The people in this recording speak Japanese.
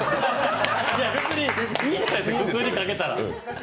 いや、別にいいじゃないですか、普通にかけたら。